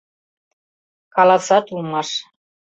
Каласат улмаш: